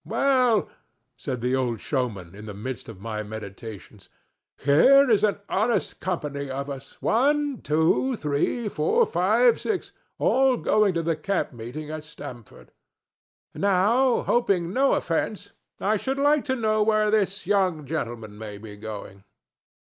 "Well," said the old showman, in the midst of my meditations, "here is an honest company of us—one, two, three, four, five, six—all going to the camp meeting at Stamford. Now, hoping no offence, I should like to know where this young gentleman may be going?"